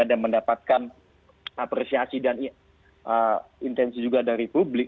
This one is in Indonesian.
dan mendapatkan apresiasi dan intensi juga dari publik